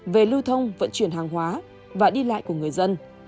về lưu thông vận chuyển hàng hóa và đi lại của người dân